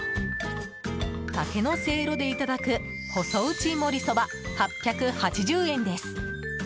竹のせいろでいただく細打ちもりそば、８８０円です。